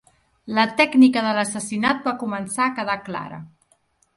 La tècnica de l'assassinat va començar a quedar clara.